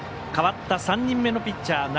代わった３人目のピッチャー